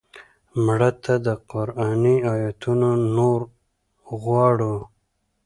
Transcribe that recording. مړه ته د قرآني آیتونو نور غواړو